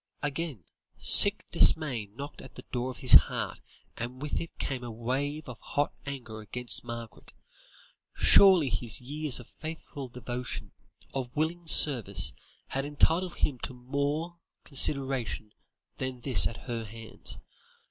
Again, sick dismay knocked at the door of his heart, and with it came a wave of hot anger against Margaret. Surely his years of faithful devotion, of willing service, had entitled him to more consideration than this at her hands.